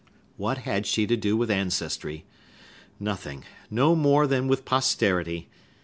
What had she to do with ancestry? Nothing; no more than with posterity!